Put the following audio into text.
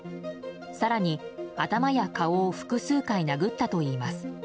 更に、頭や顔を複数回殴ったといいます。